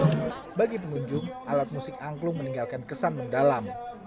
untuk penunjuk alat musik angklung meninggalkan kesan mendalam